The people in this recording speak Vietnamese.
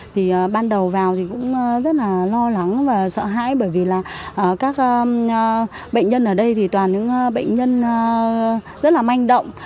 thì ban đầu vào thì cũng rất là lo lắng và sợ hãi bởi vì là các bệnh nhân ở đây thì toàn những bệnh nhân rất là manh động